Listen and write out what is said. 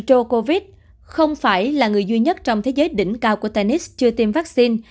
trô covid không phải là người duy nhất trong thế giới đỉnh cao của tennis chưa tiêm vaccine